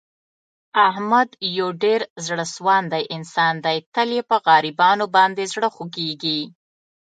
احمد یو ډېر زړه سواندی انسان دی. تل یې په غریبانو باندې زړه خوګېږي.